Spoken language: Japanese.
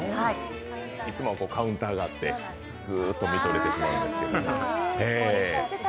いつもカウンターがあって、ずっと見とれてしまうと。